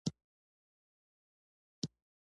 _مه وېرېږه، په تاپسې نه دي راغلی.